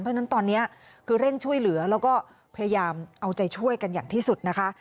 เพราะฉะนั้นตอนนี้คือเร่งช่วยเหลือแล้วก็พยายามเอาใจช่วยกันอย่างที่สุดนะคะ